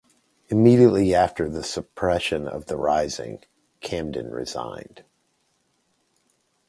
Immediately after the suppression of the rising Camden resigned.